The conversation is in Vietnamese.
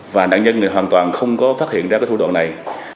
và nạn nhân hoàn toàn không có phát hiện ra thủ đoạn này